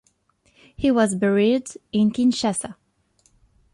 He was buried in Kinshasa.